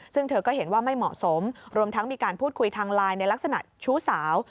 ซึ่งเธอก็เห็นว่าไม่เหมาะสมรวมทั้งมีการพูดคุยทางไลน์ในลักษณะชู้สาว